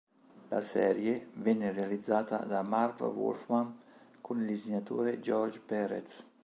La serie venne realizzata da Marv Wolfman con il disegnatore George Pérez.